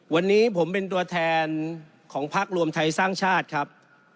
วันนี้ผมเป็นตัวแทนของพักรวมไทยสร้างชาติครับ